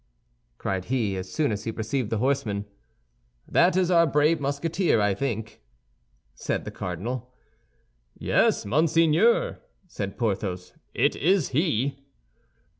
cried he, as soon as he perceived the horsemen. "That is our brave Musketeer, I think," said the cardinal. "Yes, monseigneur," said Porthos, "it is he."